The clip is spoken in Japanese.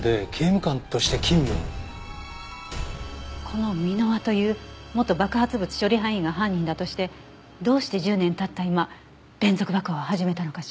この箕輪という元爆発物処理班員が犯人だとしてどうして１０年経った今連続爆破を始めたのかしら？